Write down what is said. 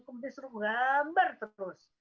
kemudian suruh gambar terus